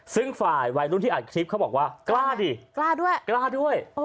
ซึ่งฝ่ายวัยรุ่นที่อัดคลิปเขาบอกว่ากล้าดิกล้าด้วยกล้าด้วย